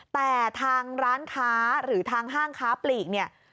แต่ทางร้านค้าหรือทางห้างค้าปลีกเนี่ย